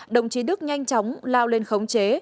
đồng chí đức nhanh chóng lao lên khống chế